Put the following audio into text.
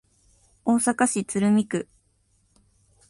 大阪市鶴見区